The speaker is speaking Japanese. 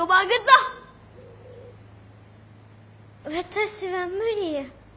私は無理や。